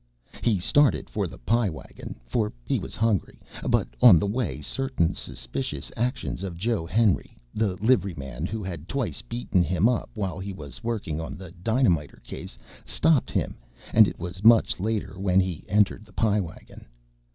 He started for the Pie Wagon, for he was hungry, but on the way certain suspicious actions of Joe Henry (the liveryman who had twice beaten him up while he was working on the dynamiter case), stopped him, and it was much later when he entered the Pie Wagon.